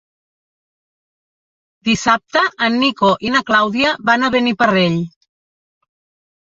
Dissabte en Nico i na Clàudia van a Beniparrell.